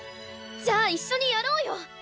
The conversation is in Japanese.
じゃあ一緒にやろうよ！